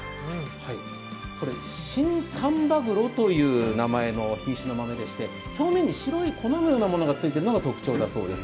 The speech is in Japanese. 新丹波黒という名前の品種の豆でして、表面に白い粉のようなものがついているのが特徴なんだそうです。